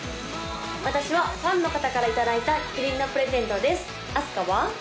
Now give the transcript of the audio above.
私はファンの方から頂いたキリンのプレゼントですあすかは？